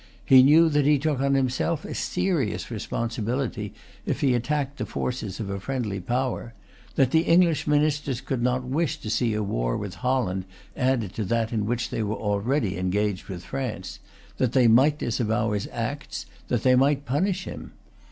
He knew that he took on himself a serious responsibility if he attacked the forces of a friendly power; that the English ministers could not wish to see a war with Holland added to that in which they were already engaged with France; that they might disavow his acts; that they might punish him.